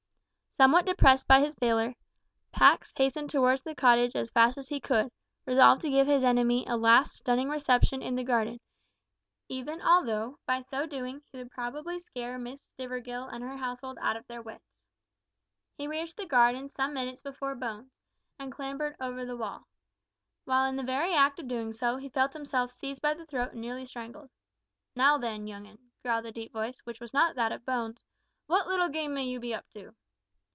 Somewhat depressed by his failure, Pax hastened towards the cottage as fast as he could, resolved to give his enemy a last stunning reception in the garden, even although, by so doing, he would probably scare Miss Stivergill and her household out of their wits. He reached the garden some minutes before Bones, and clambered over the wall. While in the very act of doing so, he felt himself seized by the throat and nearly strangled. "Now then, young 'un," growled a deep voice, which was not that of Bones, "what little game may you be up to?"